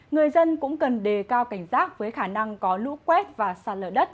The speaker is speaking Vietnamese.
người dân cũng cần đề cao cảnh giác với khả năng có lũ quét và sạt lở đất